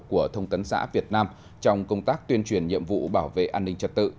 của thông tấn xã việt nam trong công tác tuyên truyền nhiệm vụ bảo vệ an ninh trật tự